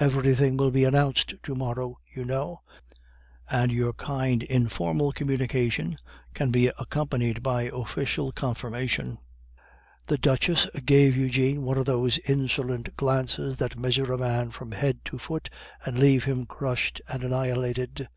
Everything will be announced to morrow, you know, and your kind informal communication can be accompanied by official confirmation." The Duchess gave Eugene one of those insolent glances that measure a man from head to foot, and leave him crushed and annihilated.